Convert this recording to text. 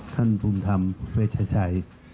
ท่านภูมิธรรมเวชชัย